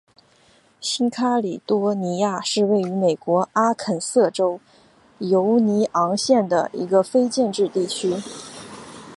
新喀里多尼亚是位于美国阿肯色州犹尼昂县的一个非建制地区。